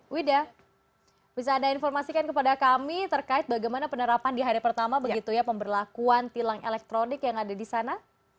wida bisa anda informasikan kepada kami terkait bagaimana penerapan di hari pertama begitu ya pemberlakuan tilang elektronik yang ada di sana